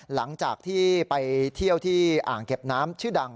หลังจากที่ไปเที่ยวที่อ่างเก็บน้ำชื่อดัง